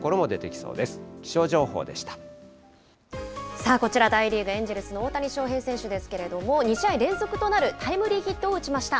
さあ、こちら、大リーグ・エンジェルスの大谷翔平選手ですけれども、２試合連続となるタイムリーヒットを打ちました。